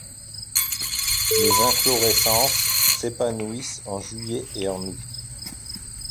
Les inflorescences s'épanouissent en juillet et en août.